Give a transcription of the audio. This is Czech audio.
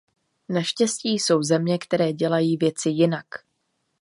Naštěstí, jsou země, které dělají věci jinak!